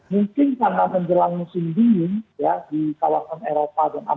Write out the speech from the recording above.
mungkin karena menjelang musim dingin di kawasan eropa dan lain lain